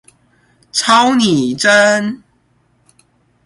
超擬真！